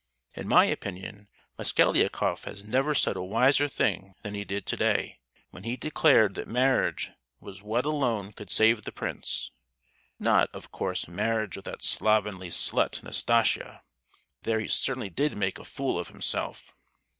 In my opinion, Mosgliakoff has never said a wiser thing than he did to day, when he declared that marriage was what alone could save the prince,—not, of course, marriage with that slovenly slut, Nastasia; there he certainly did make a fool of himself!"